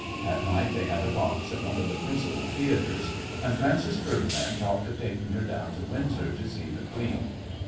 At night they had a box at one of the principal theatres, and Francis Ferdinand talked of taking her down to Windsor to see the Queen.